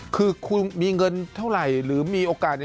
คือคุณมีเงินเท่าไหร่หรือมีโอกาส